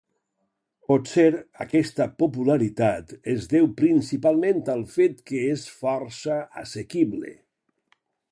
Potser, aquesta popularitat es deu principalment al fet que és força assequible.